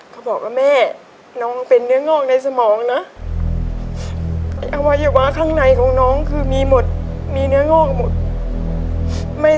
เขาบอกว่าแม่น้องเป็นเนื้องอกในสมองนะอวัยวะข้างในของน้องคือมีหมดมีเนื้องอกหมด